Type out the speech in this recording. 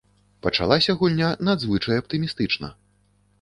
Пачалася гульня надзвычай аптымістычна.